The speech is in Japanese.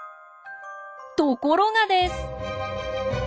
ところがです！